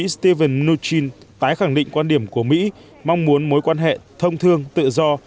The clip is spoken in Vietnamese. stephen mnuchin tái khẳng định quan điểm của mỹ mong muốn mối quan hệ thông thương tự do